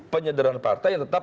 penyederhan partai yang tetap